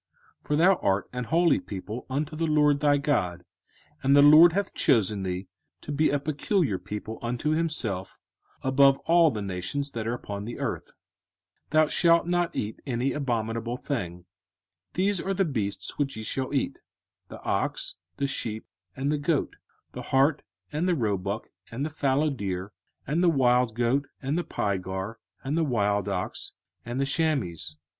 05:014:002 For thou art an holy people unto the LORD thy God, and the LORD hath chosen thee to be a peculiar people unto himself, above all the nations that are upon the earth. 05:014:003 Thou shalt not eat any abominable thing. 05:014:004 These are the beasts which ye shall eat: the ox, the sheep, and the goat, 05:014:005 The hart, and the roebuck, and the fallow deer, and the wild goat, and the pygarg, and the wild ox, and the chamois.